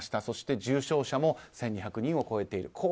そして、重症者も１２００人を超えている。